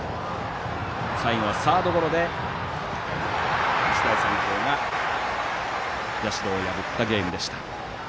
最後はサードゴロで日大三高が社を破ったゲームでした。